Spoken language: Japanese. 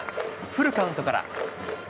フルカウントから。